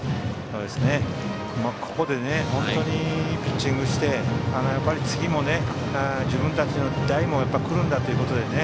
ここで本当にいいピッチングをして次、自分たちの代も来るんだということでね。